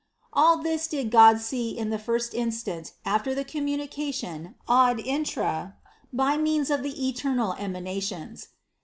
All this did God see in the first instant after the communication ad intra by means of the eternal emana tions.